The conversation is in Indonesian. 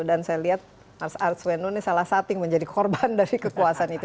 dan saya lihat mas arswendo ini salah sating menjadi korban dari kekuasaan itu